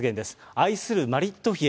愛するマリット妃へ。